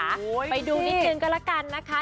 โอ้โฮชิบไปดูนิดหนึ่งก็แล้วกันนะคะ